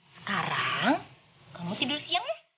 sekarang kamu tidur siang